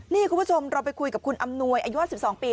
นี่คุณผู้ชมเราไปคุยกับคุณอำนวยอายุ๕๒ปี